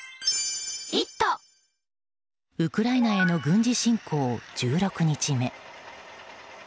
ウクライナへの軍事侵攻１６日目。